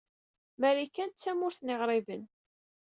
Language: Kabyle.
Marikan d tamuṛt n yiɣriben.